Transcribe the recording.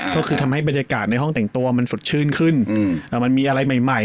ก็คือทำให้บรรยากาศในห้องแต่งตัวมันสดชื่นขึ้นมันมีอะไรใหม่ใหม่